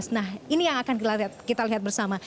nah ini yang akan kita lihat bersama